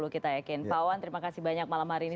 kita yakin pak wawan terima kasih banyak malam hari ini